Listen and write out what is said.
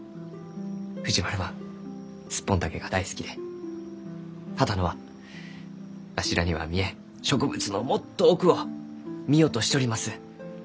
藤丸はスッポンタケが大好きで波多野はわしらには見えん植物のもっと奥を見ようとしちょります。